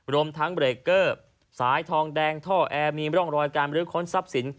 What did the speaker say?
รวมทั้งเบรกเกอร์สายทองแดงท่อแอร์มีร่องรอยการบรื้อค้นทรัพย์สิน